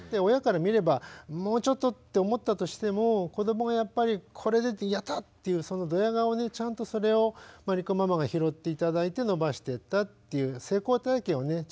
親から見ればもうちょっとって思ったとしても子どもがやっぱりこれで「やった！」というどや顔をねちゃんとそれを真理子ママが拾って頂いて伸ばしていったっていう成功体験をね